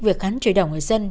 việc hắn chửi đồng ngoài sân